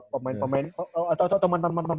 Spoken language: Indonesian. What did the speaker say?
pemain pemain atau teman teman